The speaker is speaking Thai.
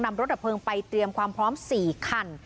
นำรถดับพลงไปเตรียมความพร้อมสี่ขั้น